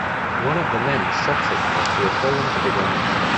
One of the men shot him after he had fallen to the ground.